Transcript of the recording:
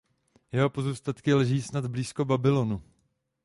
Jeho pozůstatky leží snad blízko Babylonu.